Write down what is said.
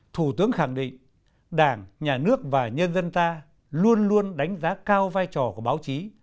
thủ tướng khẳng định đảng nhà nước và nhân dân ta luôn luôn đánh giá cao vai trò của báo chí